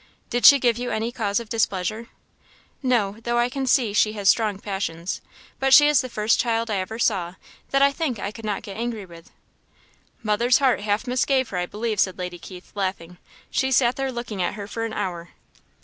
"Did she give you any cause of displeasure?" "No; though I can see she has strong passions. But she is the first child I ever saw, that I think I could not get angry with." "Mother's heart half misgave her, I believe," said Lady Keith, laughing; "she sat there looking at her for an hour."